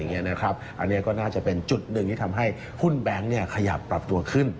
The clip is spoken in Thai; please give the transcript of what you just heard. อันนี้ก็น่าจะเป็นจุดหนึ่งที่ทำให้หุ้นแบงค์ขยับปรับตัวขึ้น